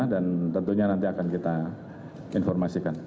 dan tentunya nanti akan kita informasikan